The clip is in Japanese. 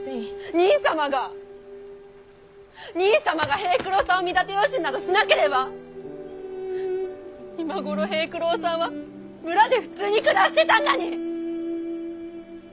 兄さまが兄さまが平九郎さんを見立て養子になどしなければ今頃平九郎さんは村で普通に暮らしてたんだに！